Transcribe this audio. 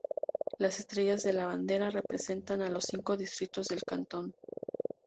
Las estrellas de la bandera representan a los cinco distritos del cantón.